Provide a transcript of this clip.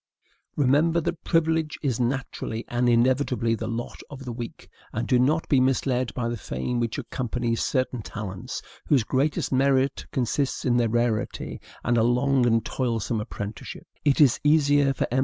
Remember that privilege is naturally and inevitably the lot of the weak; and do not be misled by the fame which accompanies certain talents whose greatest merit consists in their rarity, and a long and toilsome apprenticeship. It is easier for M.